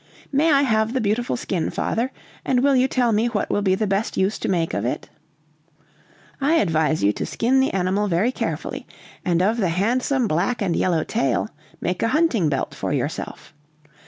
"May I have the beautiful skin, father? And will you tell me what will be the best use to make of it?" "I advise you to skin the animal very carefully, and of the handsome black and yellow tail make a hunting belt for yourself.